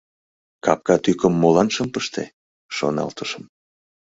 «Капка тӱкым молан шым пыште?» — шоналтышым.